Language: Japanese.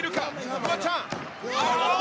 フワちゃん！